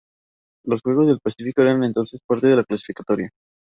Los Juegos del Pacífico eran entonces parte de la clasificatoria.